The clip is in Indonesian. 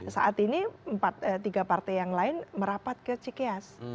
saat ini tiga partai yang lain merapat ke cikeas